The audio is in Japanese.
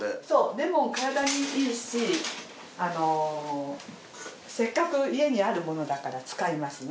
レモン体にいいしあのせっかく家にあるものだから使いますね。